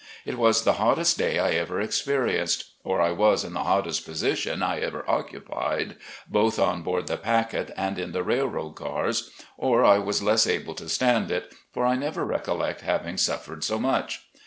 It was the hottest day I ever experienced, or I was in the hottest position I ever occupied, both on board the packet and in the railroad cars, or I was less able to stand it, for I never recollect having suffered so much.